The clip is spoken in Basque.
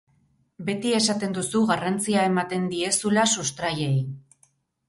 Beti esaten duzu garrantzia ematen diezula sustraiei.